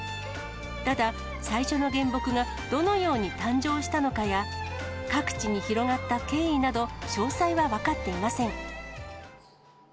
ただ、最初の原木がどのように誕生したのかや、各地に広がった経緯など、詳細は分かっていません。